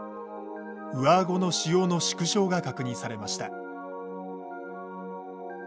上顎の腫瘍の縮小が確認されました。